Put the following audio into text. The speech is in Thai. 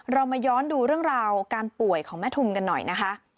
เรามาย้อนดูเรื่องราวการป่วยของแม่ทุมกันหน่อยนะคะ